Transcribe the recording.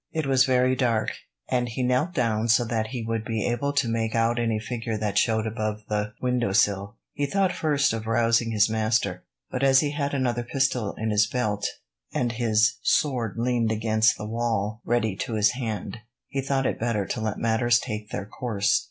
It was very dark, and he knelt down so that he would be able to make out any figure that showed above the windowsill. He thought first of rousing his master, but as he had another pistol in his belt, and his sword leaned against the wall, ready to his hand, he thought it better to let matters take their course.